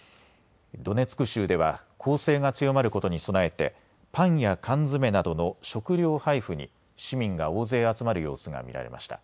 ドネツク州では攻勢が強まることに備えてパンや缶詰などの食料配付に市民が大勢集まる様子が見られました。